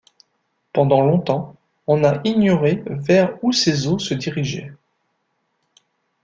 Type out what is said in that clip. Pendant longtemps, on a ignoré vers où ces eaux se dirigeaient.